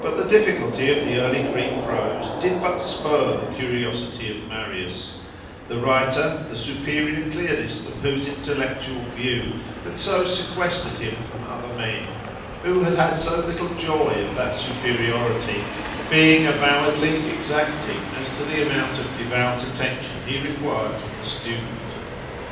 But the difficulty of the early Greek prose did but spur the curiosity of Marius; the writer, the superior clearness of whose intellectual view had so sequestered him from other men, who had had so little joy of that superiority, being avowedly exacting as to the amount of devout attention he required from the student.